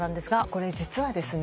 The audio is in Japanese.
これ実はですね